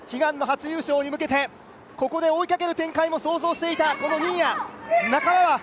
積水化学が創部２５年目、悲願の初優勝に向けてここで追いかける展開も想像していたこの新谷。